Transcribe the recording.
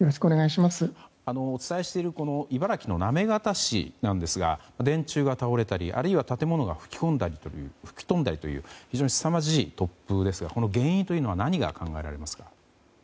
お伝えしている茨城の行方市ですが電柱が倒れたり、あるいは建物が吹き飛んだりという非常にすさまじい突風ですがこの原因は何が考えられますか？